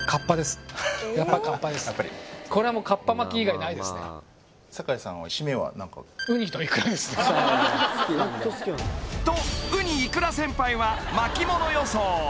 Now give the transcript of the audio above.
これはもうかっぱ巻き以外ないですねとうにいくら先輩は巻き物予想